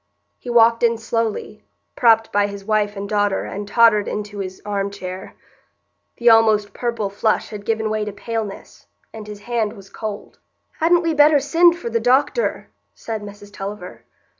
He walked in slowly, propped by his wife and daughter and tottered into his arm chair. The almost purple flush had given way to paleness, and his hand was cold. "Hadn't we better send for the doctor?" said Mrs Tulliver.